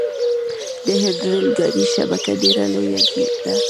د هند ریل ګاډي شبکه ډیره لویه ده.